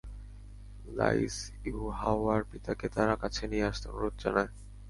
লাঈছ ইউহাওয়ার পিতাকে তার কাছে নিয়ে আসতে অনুরোধ জানায়।